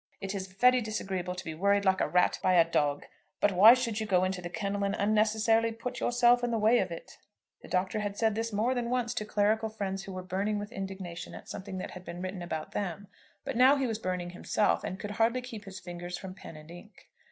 It is very disagreeable to be worried like a rat by a dog; but why should you go into the kennel and unnecessarily put yourself in the way of it?" The Doctor had said this more than once to clerical friends who were burning with indignation at something that had been written about them. But now he was burning himself, and could hardly keep his fingers from pen and ink.